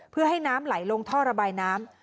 เพื่อให้น้ำไหลลงท่อระบายน้ำ